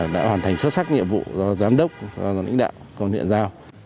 đã hoàn thành xuất sắc nhiệm vụ do giám đốc do lĩnh đạo còn hiện ra